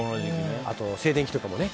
あと静電気とかもね。